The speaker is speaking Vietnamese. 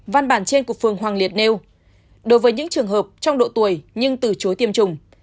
văn bản trên của phường hoàng liệt nêu đối với những trường hợp trong độ tuổi nhưng từ chối tiêm chủng